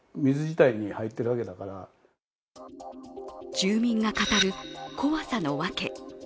住民が語る怖さの訳。